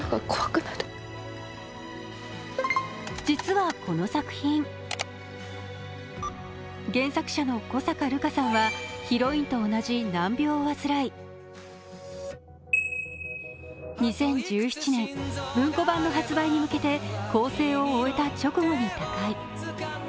実はこの作品、原作者の小坂流加さんはヒロインと同じ難病を患い２０１７年、文庫版の発売に向けて校正を終えた直後に他界。